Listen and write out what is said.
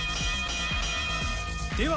では